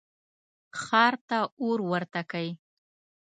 ښار ته اور ورته کئ.